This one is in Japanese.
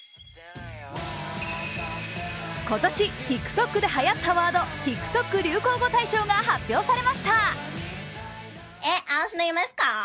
今年ＴｉｋＴｏｋではやったワードＴｉｋＴｏｋ流行語大賞が発表されました。